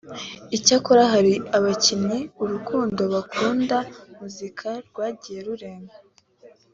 Icyakora hari abakinnyi urukundo bakunda muzika rwagiye rurenga